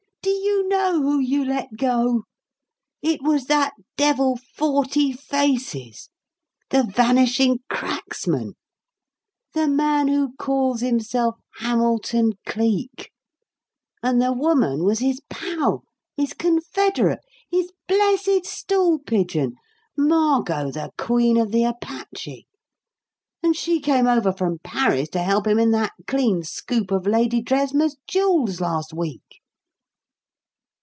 Do you know who you let go? It was that devil 'Forty Faces' 'The Vanishing Cracksman' the man who calls himself 'Hamilton Cleek'; and the woman was his pal, his confederate, his blessed stool pigeon 'Margot, the Queen of the Apache'; and she came over from Paris to help him in that clean scoop of Lady Dresmer's jewels last week!"